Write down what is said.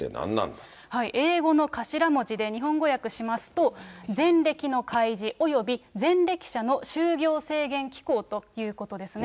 英語の頭文字で、日本語訳しますと、前歴の開示、および前歴者の就業制限機構ということですね。